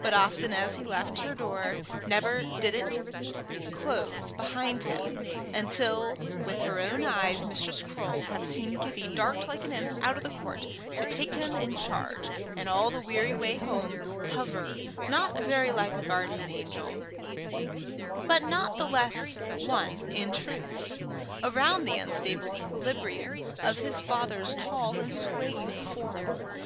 But, often as he left her door, never did it close behind him until with her own eyes Mistress Croale had seen Gibbie dart like an imp out of the court to take him in charge, and, all the weary way home, hover, not very like a guardian angel, but not the less one in truth, around the unstable equilibrium of his father's tall and swaying form.